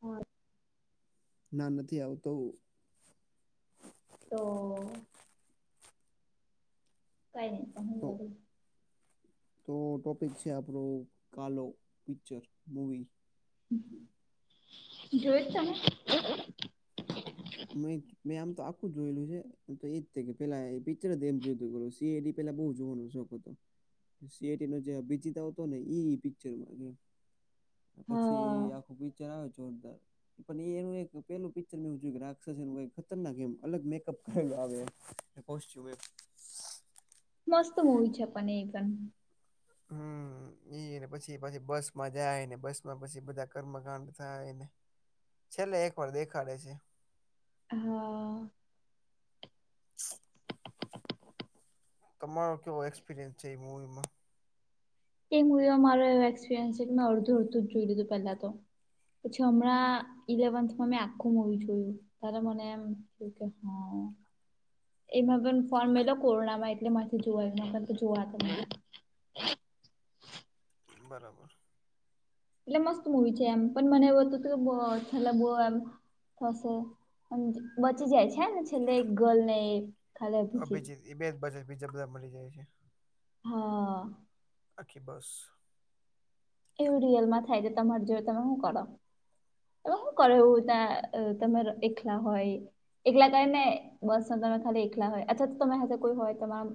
હ [inaudible] ના નથી આવતો. તો. કઈ નહી પહ તો બ [inaudible] તો ટોપિક છે આપણો કાલો પિક્ચર મુવી. જોય જ તમે. મેં આમ તો આખું જ જોયેલું છે. તો એજ થ કે પેલા પિક્ચર જ એમ જોયતું સીએડી પેલા બહુ જોવાનો શોખ હતો. સીએટી નો જે અભિજિત આવતો ને ઈ પિક્ચર માં હૈ. હા પછી આખું પિક્ચર આવે જોરદાર પણ એ એનું એક પેલું પિક્ચર મે જોયુ. સર્જેલું એવુ ખતરનાક એમ અલગ મેકઅપ કરેલા આવે એમ મસ્ત મુવી છે પણને એ પણ [unintelligible] ઈ પછી પછી બસમાં જાયને બસ માં પછી બધા કર્મકાંડ થાયને છેલ્લે એક વાર દેખાડે છે હા તમારો કેવો એક્સપિરિયન્સ છે એ મુવીમાં. તે મારો એ એક્સપિરિયન્સ છે કે મેં અડધું અડધું જ જોઈ લીધું પહેલા તો. પછી હમણાં ઈલેવનમાં મેં આખું મુવી જોયું. તારે મને એમ કેવું કે હ. એમાં પણ ફોર્મ મેલો કોરોનામાં એટલે માંથી જોવા એમાં પણ તો જોવા તો મને. બરાબર એટલે મસ્ત મુવી છે એમ પણ મને એવું હતું હતું કે છેલ્લે બ એમ થશે. બચી જાય છે ને છેલ્લે એક ગર્લને એ. અભિજીત એ બે જ બચે બીજા બધા મરી જાય છે. હા. આખી બસ. એવું રિયલમાં થાય છે તમાર જોડે તમે શું કરો? શું કરે એવુ ત્યાં તમે એકલા હોય. એકલા કરી ને બસ તમે ખાલી એકલા હોય અથવા તો તમે હ કોઈ હોય તમાર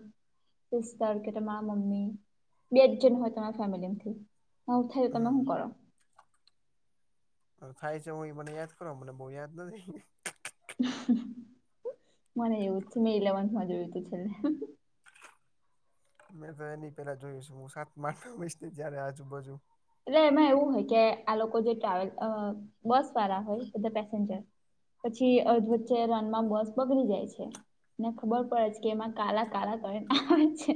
સિસ્ટર કે તમારા મમ્મી બે જ જન હોય તમારા ફેમિલી માંથી. આવું થયું તમે શું હમ કરો? થાય છે હું મને યાદ કરો મને બહુ યાદ નથી. મને એવુ જ છે મે ઇલેવનથમાં જોયુતુ છેલ્લે. મેં તો એની પેલા જોયું હશે હું સાત મા આઠમા હોઈશ ને ત્યારે આજુબાજુ. એટલે એમાં એવું હોય કે આ લોકો જે ટ્રાવેલ બસ વાળા હોય બધા પેસેન્જર. પછી અધ વચ્ચે રણમાં બસ બગડી જાય છે. ને ખબર પડે છે કે એમાં કાલા કાળા કરીને આવે છે.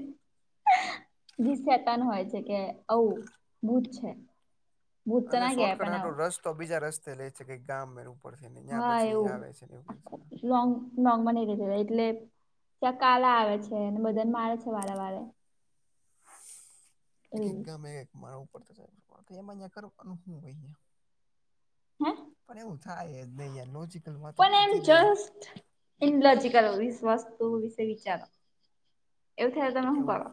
જે શેતન હોય છે કે આવુ ભૂત છે. ભૂત તો અને ના કહેવાય શોર્ટકટ પણ હાટો આવું રસ. તો બીજા રસ્તે લે છે કે ગામ એ ઉપડ છેને જ્યાં હા પછી એવું આવે છે એવું આખું ક લોંગ લોંગ માં નહ લીધે એટલે ત્યાં કાળા આવે છે અને બધાને મારે છે વારે વારે. એક એક એવું ગમે મારા ઉપર કરયા કરૅ. [unintelligible] હે પણ એવું થાય નહીં યાર લોજીક પણ એમ જસ્ટ ઇલોજીકલ વસ્તુ વિશે વિચારો. એવું થાય તો તમે હું એવું કરો?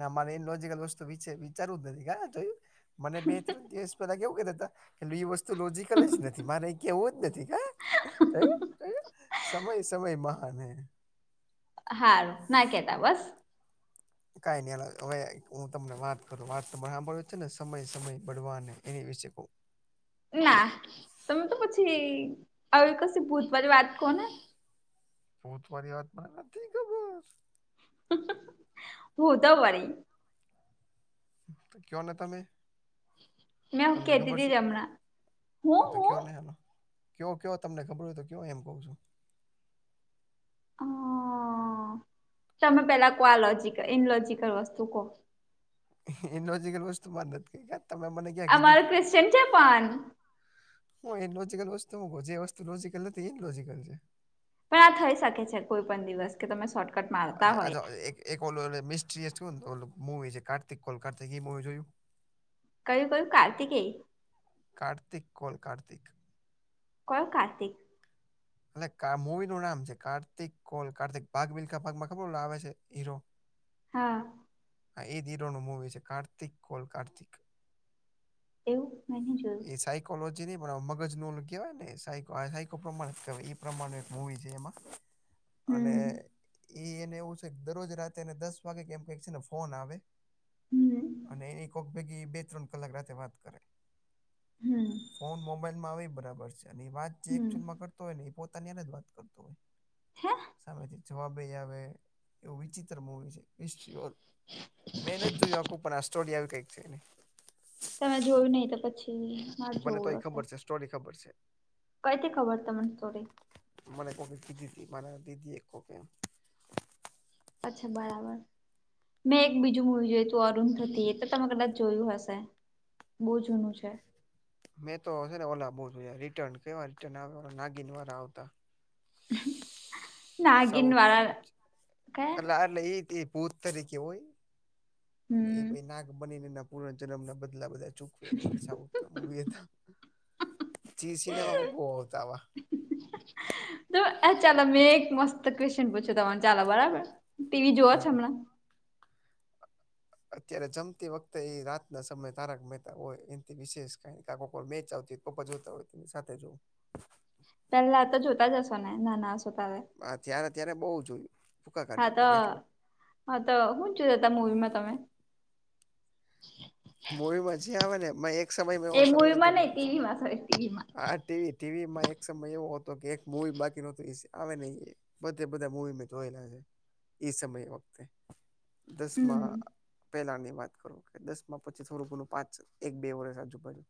ના મારે ઈન લોજિકલ વસ્તુ વિશે વિચારવુ જ નથી જોયું. મને બે ત્રણ દિવસ પહેલા કેવું કરતા હતા એ વસ્તુ લોજીકલ જ નથી મારે એ કેવું જ નથી કે હા. જોયુ જોયુ સમય સમય મહાન હે. હારું ના કેતા બસ. કઈ નહી અ હવે હું તમને વાત કરું વાત તો સાંભળ્યું છે ને સમય સમય બળવાન હે એની વિશે કવ. ના તમે તો પછી આવી કશી ભૂત પર વાત કહો ને. ભૂત વારી વાત મને નથી ખબર. હ હ હોધો વડી ક્યો ને તમે. મેં તમને કેતી ખબર તી છે? જ હમણાં હું આ તો હું કયો ને એમાં કયો કયો તમને ખબર હોય તો કયો એમ કહું છું. હ તમે પેલા કો લોજીક ઇનલોજીકલ વસ્તુ કહો. ઈનલોજિકલ વસ્તુ મારૅ નથી કેવી તમે મને. ક્યાં આ કીધી મારો તી કવેસચન છે પણ. હું ઈનલોજીકલ વસ્તુ હુ જે વસ્તુ લોજીકલ નથી એ ઈનલોજીકલ છે. પણ આ થઈ શકે છે કોઈ પણ દિવસ કે તમે સોટ એક ઓલો મિસ્ટ્રીું ને તો ઓ મૂવી કાર્તિક કોલ કાર્તિક એ મુવી જોયું? કયું કયું કાર્તિકેય? કાર્તિક કોલ કાર્તિક? કોણ કાર્તિક?. એટલે મૂવી નું નામ છે કાર્તિક કોલ કાર્તિક ભાગ મિલખા ભાગમાં ખબર આવે છે? હીરો. હા. હા, એ જ હીરો નુ મૂવી છે, કાર્તિક કોન કાર્તિક. એવું મેહી જોયું. એ સાયકોલોજી માં મગજ નુ કેહેવાય ને, સા સાયકો પ્રમાણેવાય એ પ્રમાણ એક મુવી છે એમાં. [inaudible] અને એ એને એવું છે, દરરોજ રાત્રે એને દસ વાગે કે એમ કે છે. ને ફોન આવે. હમ અને એ કોક ભેગી બે-ત્રણ કલાક રાત્રે વાત કરે. હમ. ફોન મોબાઈલમાં આવે, બરાબર છે, અને વાત જે હમ એકચુલમાં કરતો હોય ને, એ પોતાની હારે જ વાત કરતો હોય. હે સામેથી જવાબ આવે એવ વિચિત્ર મુવી છે. [unintelligible] મેં નથી જોયું આખું, પણ આસ્ટોડિયાર કંઈક છે. તમે જોયું નહીં તો પછી? મારે બને તો એ જોવું હશે ખબર છે, સ્ટોરી ખબર છે. કઈથી ખબર તમને સ્ટોરી? મને કો [unintelligible] દીદી મ દીદી એક કોકે. અચ્છા, બરાબર. મેં એક બીજું મુવી જોયું તું, અરુણધતી. એ તો તમે કદાચ જોયું હશે. બો જૂનું છે. મેં તો શેને, ઓલા બો રિટર્ન કેવા, રિટર્ન આવ નાગીન વાળા આવતા. હ, મઅ સાઉથના પિચર. એટલે એ [unintelligible] ભૂત તરીકે હોય અને હમ એ નાગ બનીને. પૂર્વ જન્મના બદલા બધા ચૂકવે. વી [unintelligible] હતા, જી સિનેમામાં બો આવતા. તો આ ચાલો, મેં એક મસ્ત ક્વેશ્ચન પૂછુ તમને. ચાલો, બરાબર? ટીવી જોવા છો હા હમણાં? અત્યારે જમતી વખતે, એ રાત્રે ના સમય તારક મહેતા હોય. એથી વિશેષ કઈ કાકો મેચ આવતી? પપ્પા જોતા હોય, એની સાથે જોવું. [unintelligible] પેલા તો જોતા જ હશો ને, નાના હશો ત્યારે? ત્યારે ત્યારે બઉ જોયું. ભૂકા હા, તો કાઢીને કેટલું હા, તો હું જોતા મુવીમાં તમે? મુવી માં જે આવે ને, એક સમયમાં એવો સમય હતો. એમાં. હા, ટીવી ટીવી માં એક સમય એવો હતો કે એક મુવી બાકી ન આવે નહી. બધે બધા મુવી મેં જોયેલા છે એ સમય વખતે. હમ દસમાં. પેલા ની વાત કરો કે, દસ માં પછી થોડું ઘણું પાંચ એક બે, ઓર આજુબાજુ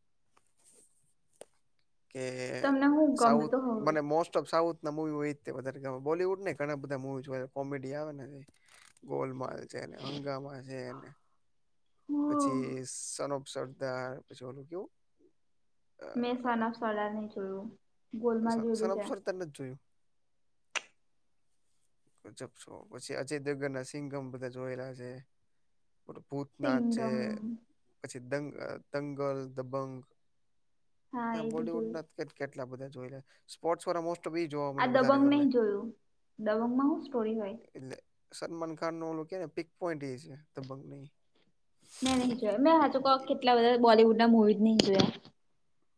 કે તમને હું ગમતું સાઉથ, તું હવે મને મોસ્ટ ઓફ સાઉથ. [unintelligible] ના, મુવી હોય વધારે બોલીવુડ ને ઘણા બધા મુવી કોમેડી આવે. ગોલમાલ છેને, હંગામા છેને. હું પછી સન ઓફ સરદાર, પછી ઓલું કેવું? મેં સનફ સરદાર નહીં જોયું. ગોલમાલ સન જોયેલું સનફ છે સરદાર નથી જોયું. જપો પછી અજય દગ્ગ ના સિંગમ બધા જોયેલા છે. ભૂતનાથ છે. સિંગમ પછી દંગ દંગલ, દબંગ હા આ એ બી જોયું બોલીવુડના છે તો કેટ કેટ એટલા બધા જોઈલા. સ્પોર્ટ વારા મોસ્ટ તો બી ઈ જોવા આ મને વધારે દબંગ ગમે. નહી જોયું દબંગમાં હું સ્ટોરી હોય એટલે સલમાન ખાન નો ઓલુ કે ને, પિક પોઈન્ટ એ છે દબન્ગ ને ઈ. નહીં, જો મેં હાચુ ક્વ, કેટલા બધા બોલીવુડ ના મુવી નહીં જોયા.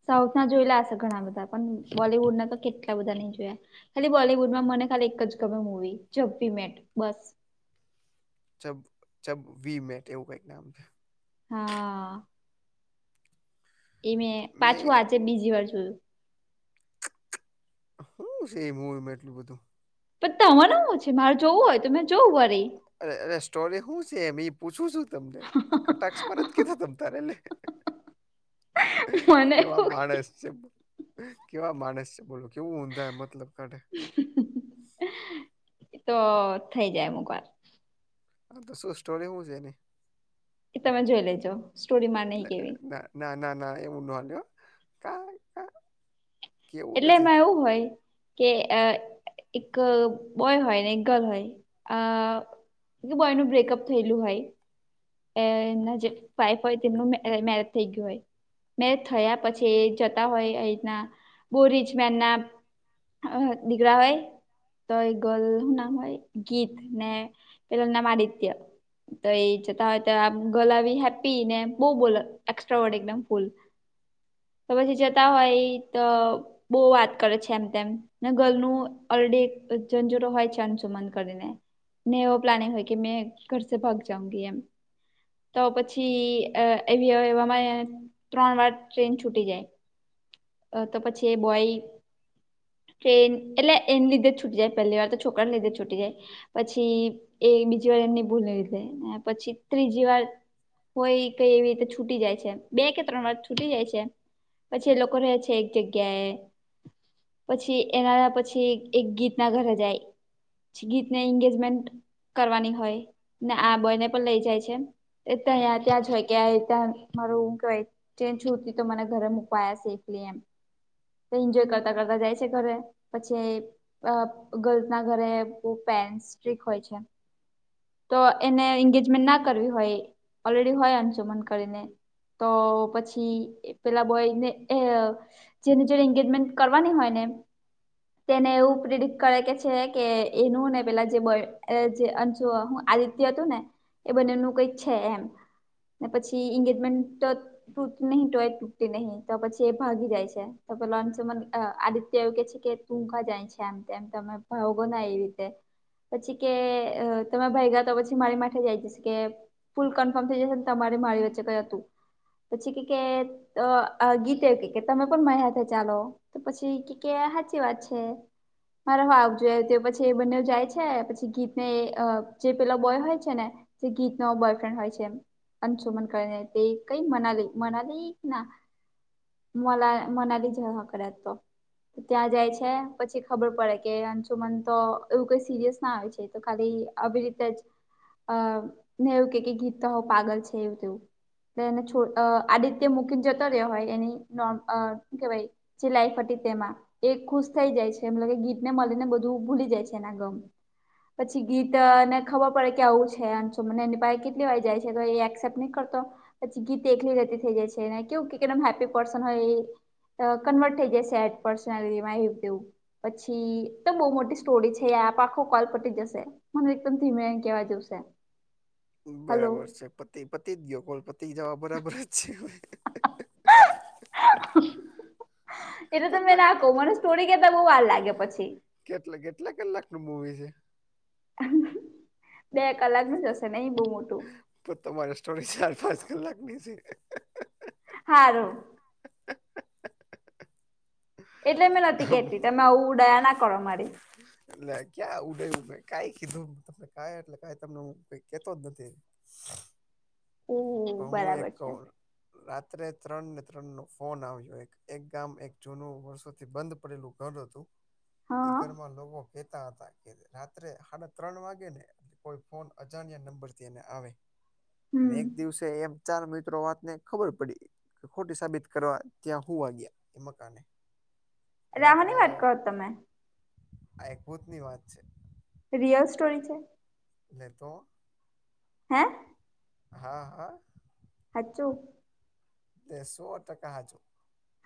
સાઉથ ના જોયેલા હશે ઘણા બધા, પણ બોલિવુડના તો કેટલા બધા નહી જોયા. ખાલી બોલીવુડમાં મને ખાલી એક જ ગમે મુવી જીપી મેટ બસ. જબ જબ વી મેટ એવું કંઈક નામ. હ, અ ઈ મેં પાછું આજે બીજી વાર જોયું. હું છે ઈ મુવીમાં એટલું બધું? કે તમને હું છે મારે જોવું હોય તો મેં જોવું વરી. અરે અરે સ્ટોરી હું છે એમ ઈ પૂછું છું. તમને કટાક્ષમાં નથ કેતા તમ તારે લે. મને કેવા એવું માણસ છે. કેવા માણસ છે બોલો કેવું ઊંધા મતલબ કાઢે. તો થઇ જાય અમુક વાર. હા તો શું સ્ટોરી હું છે એની? ઈ તમે જોઈ લેજો. સ્ટોરીમાં નહી કેવી ના ના ના ના ના એવું નો હાલે હો કાંઈ અ એટલે એમાં એવું હોય. કે અ એક બોય હોયને, એક ગર્લ હોય અ ઈ કે બોયનું બ્રેકઅપ થયેલું હોય. એ એમના જે વાઈફ હોય તેમનું મે મેરજ થઇ ગયું હોય. મેરેજ થયા પછી એ જતા હોય આ રીતના બહુ રિચ મેનના. હહ દીઘરા હોય તોય ગલ હું નામ હોય ગીત ને પેલાના નામ આદિત્ય. તો એ જત તા હોઈ તો આમ ગલ આવી હેપ્પી ને બહું બોલ એક્સ્ટ્રા ઓડ એકદમ ફૂલ. તો પછી જતા હોય ઈ તો. બહુ વાત કરે છે એમ તેમ ને ગલનું અરડી જનજટો હોય છે અનસુમન કરીને. ને એવો પ્લાનિંગ હોય કે મેં ઘર સે ભાગ જાઉંગી એમ. તો પછી એવી એવામાં એ ત્રણ વાર ટ્રેન છૂટી જાય. અ તો પછી એ બોય. કે એટલે એન લીધે જ છૂટી જાય પહેલી વાર તો છોકરાને લીધે જ છૂટી જાય. પછી એ બીજી વાર એમની ભૂલને લીધે ને પછી ત્રીજી વાર. હોય કઈ એવી રીતે છૂટી જાય છે એમ બે કે ત્રણ વાર છૂટી જાય છે પછી એ લોક કો રે છે એક જગ્યાએ. પછી એના પછી એક ગીતના ઘરે જાય. પછી ગીતને એંગેજમેન્ટ કરવાની હોય ને આ બોયને પણ લઇ જાય છે. એ ત્યાં ત્યાં જ હોય કે આ રીતના મારું હું કેવાય ટ્રેન છૂટતી તો મને ઘરે મુકવા આયા સે. એટલે એમ તો ઈન્જોય કરતા કરતા જાય છે ઘરે પછી અ ગર્લ્સના ઘરે બહુ પેરેન્ટ સ્ટ્રીક હોય છે. તો એને એંગેજમેન્ટ ના કરવી હોય ઓલરેડી હોય અંશુમન કરીને. તો પછી પેલા બોયને એ જેને જેને એંગેજમેન્ટ કરવાની હોય ને તેને એવું પ્રેડિટ કરે કે છે કે એનું ને પેલા જે બોય એલે જે અન શું હું આદિત્ય હતું ને એ બંનેનું કઈક છે એમ. ને પછી એંગેજમેન્ટ ત તૂટી નહીં તોય તૂટતી નહી તો પછી એ ભાગી જાય છે તો પેલો અંશુમન અ આદિત્ય એવું કે છે કે તું કા જાય છે આમ તેમ તમે ભગો ના એવી રીતે પછી કે અ તમે ભાઈગા તો પછી મારી માથે જ આઈ જશે કે ફૂલ કન્ફર્મ થઈ જશે ને તમારે મારી વચ્ચે કઈ હતું. પછી કે કે અ આ ગીતે કે કે તમે પણ મારી હાથે ચાલો. તો પછી કે ક સાચી વાત છે. મારે હ આવજ તો પછી એ બંને જાય છે પછી ગીતને અ જે પેલો બોય હોય છે ને જે ગીત નો બોયફ્રેન્ડ હોય છે એમ. અન છો મન ક તે કઈ મનાલે મનાલે ના. મલા મનાલી જ હ કર તો. ત્યાં જાય છે પછી ખબર પડે કે અંચુમન તો એવું કઈ સિરિયસ ના આવે છે તો ખાલી આવી રીતે જ અ ને એવું કે ગીત હો પાગલ છે એવું તેવું. ને છોડ આદિત્ય મુકીન જતો રહ્યો હોય એની નો શુ કેવાય જે લાઈફ હતી તેમાં. એ ખુશ થઈ જાય છે એ કે ગીતને મળીને બધું ભૂલી જાય છે એના ગમ. પછી ગીત ને ખબર પડે કે આવું છે મને એની પાઈ કેટલી વાય જાય છે તો એ એક્સેપ્ટ નહી કરતો. પછી ગીત એકલી રહેતી થઈ જાય છે કેવું કેમ હેપી પર્સન હોય એ કન્વર્ટ થઈ જ સેડ પર્સનલી એવુ તેવું. પછી તો બહુ મોટી સ્ટોરી છે. આપ આખો કોલ પટી જશે. મને એકદમ ધીમે એમ કેવા જવશે. બરાબર છે પતિ પતિ જ ગયો કોલ પતિ જવા બરાબર જ છે. હાહા. એટ તમે ખતરનાક ના આ કહ મને સ્ટોરી કેતા બહુ વાર લાગે પછી. કેટલા કેટલા કલાક નુ મૂવી છે? બે કલાક નુ જ હશે નહી બહુ મોટું. તો તમારી સ્ટોરી ચાર પાંચ કલાકની છે. હારું. એટલે મેં નથી કેતી તમે આવું દયા ના કરો મારી. એટલે ક્યાં ઉડય ઉડ કઈ કીધું ત ક એટલે ક તમને હ કઈ કેતો જ નથી. [inaudible] ઓહ હુ એક બરાબર છે કવ રાત્રે ત્રણ ને ત્રણ નો ફોન આવ્યો એક એક ગામ એક જૂનું વર્ષોથી બંધ પડેલું ઘર હતું એ હા ઘરમાં લોકો કેહેતા હતા કે રાત્રે સાડા ત્રણ વાગે ને કોઈ ફોન અજાણ્યા નંબરથી એ આવે અને હમ એમ ચાર મિત્રો વાતને ખબર પડી. ખોટી સાબિત કરવા ત્યાં હું વાગ્યા એ મકાને. એટલે રાત્રે આમાંની વાત કરો તમે આ એક ભૂતની વાત છે. રિયલ સ્ટોરી છે? ને તો. હે? હા હા. હાચુ? એ સો ટકા હચુુ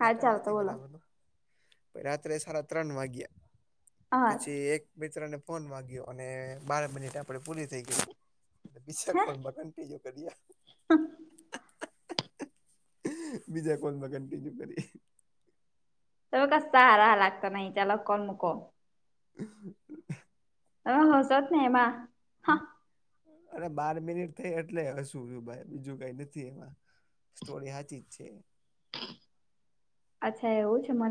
હા ચાલ તો નથી. બોલો [unintelligible] રાત્રે સાડા ત્રણ વાગ્યા હા પછી એક મિત્રને ફોન વાગ્યો અને બાર મિનિટ આપે પૂરી થઈ ગયી. બીજા હે કોલમાં કન્ટિન્યુ કરીએ. [unintelligible] બીજા કોલમાં કન્ટિન્યુ કરીએ. તો કસા હારા લાગત નથી ચાલો કોલ મુકો. [inaudible] અહો સત નહી એમા અરે બાર મિનિટ થઈ એટલે હસું છું ભાઈ બીજું કઈ નથી એમાં. સ્ટોરી હાચી જ છે. અચ્છા એવું છે મને